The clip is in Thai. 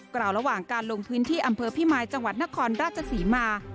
กล่าวระหว่างการลงพื้นที่อำเภอพิมายจังหวัดนครราชศรีมา